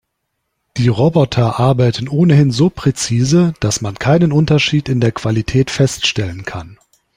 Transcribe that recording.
Die Roboter arbeiten ohnehin so präzise, dass man keinen Unterschied in der Qualität feststellen kann.